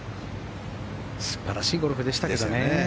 素晴らしいゴルフでしたけどね。